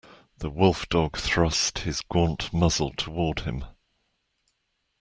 The wolf-dog thrust his gaunt muzzle toward him.